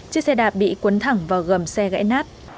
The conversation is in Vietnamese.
chiếc xe đạp bị cuốn thẳng vào gầm xe gãy nát